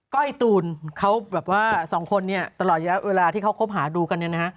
ก้อยตูนเขาแบบว่าสองคนเนี่ยตลอดเวลาที่เขาทุกคนคุ้มหาดูกันนี่นะ